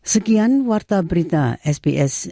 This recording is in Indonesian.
sekian warta berita sbs